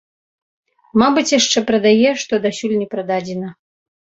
Мабыць, яшчэ прадае, што дасюль не прададзена?